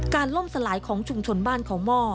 ล่มสลายของชุมชนบ้านเขาหม้อ